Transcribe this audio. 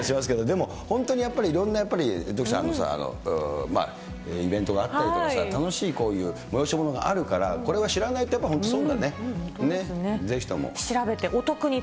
でも本当にやっぱりいろんなやっぱり、イベントがあったりとかさ、楽しい、こういう催し物があるから、これは知らないと本当、損だね。